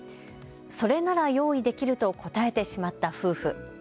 それなら用意できると答えてしまった夫婦。